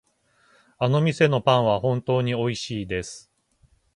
あの店のパンは本当においしいです。